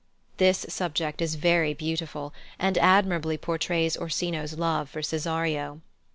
This subject is very beautiful, and admirably portrays Orsino's love for Cesario.